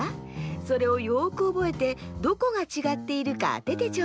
それをよくおぼえてどこがちがっているかあててちょうだい。